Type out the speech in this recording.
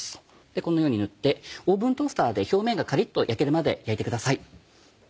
このように塗ってオーブントースターで表面がカリっと焼けるまで焼いてください。